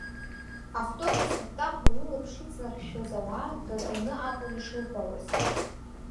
Автобус аттаҳәа лылаԥш иҵнаршәшәоз ауаа гаганы акәын ишылбауаз.